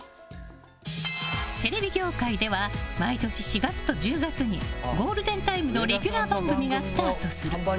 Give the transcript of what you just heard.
テレビ業界では毎年４月と１０月にゴールデンタイムのレギュラー番組がスタートする。